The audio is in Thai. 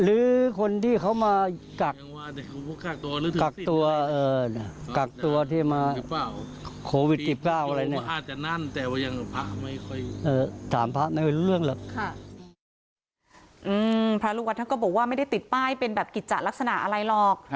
พระลูกวัดท่านก็บอกว่าไม่ได้ติดป้ายเป็นแบบกิจจะลักษณะอะไรหรอก